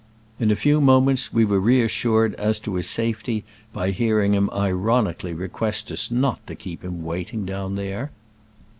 In a few moments we were re assured as to his safety by hearing him ironically request us not to keep him waiting down there.